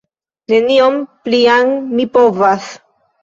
Nenion plian mi povas!